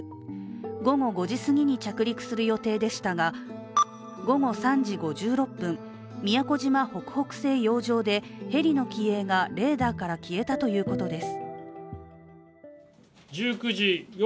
午後５時すぎに着陸する予定でしたが午後３時５６分、宮古島北北西洋上でヘリの機影がレーダーから消えたということです。